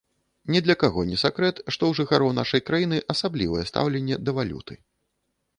Ні для каго не сакрэт, што ў жыхароў нашай краіны асаблівае стаўленне да валюты.